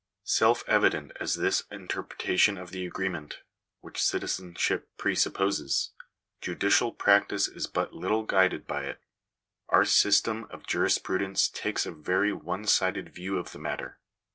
Self evident as is this interpretation of the agreement, which citizenship presupposes, judicial practice is but little guided by it. Our system of jurisprudence takes a very one sided view of the matter.